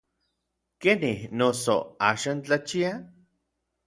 ¿Kenij, noso, n axan tlachia?